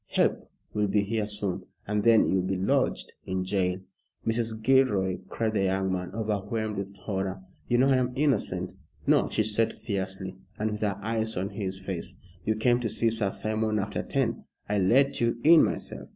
Help will be here soon, and then you'll be lodged in jail." "Mrs. Gilroy," cried the young man, overwhelmed with horror, "you know I am innocent." "No," she said fiercely, and with her eyes on his face. "You came to see Sir Simon after ten. I let you in myself.